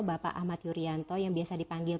bapak ahmad yuryanto yang biasa dipanggil